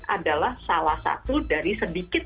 adalah salah satu dari sedikit